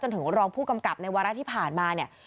ถึงรองผู้กำกับในวาระที่ผ่านมาเนี่ย